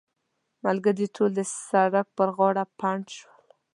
ملګري ټول د سړک پر غاړه پنډ شول.